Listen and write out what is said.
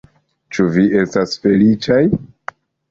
Ĉu vi estas feliĉaj?